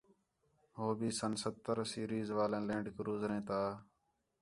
ہو بھی سن ستّر سیریز والیاں لینڈ کروزریں تا